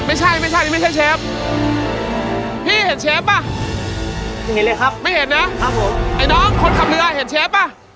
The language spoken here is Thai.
ไอ้น้องกดขับเรือเห็นเชฟกะ